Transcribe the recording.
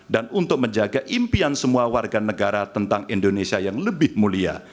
dan untuk menjaga impian semua warga negara tentang indonesia yang lebih mulia